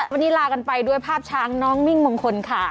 วันนี้ลากันไปด้วยภาพช้างน้องมิ่งมงคลค่ะ